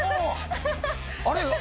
あれ？